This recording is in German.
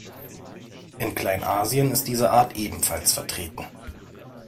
In Kleinasien ist die Art ebenfalls vertreten.